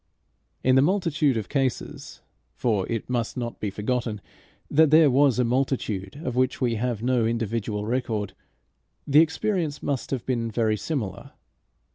In the multitude of cases for it must not be forgotten that there was a multitude of which we have no individual record the experience must have been very similar.